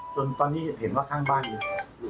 จนตอนนี้เห็นว่าข้างบ้านอยู่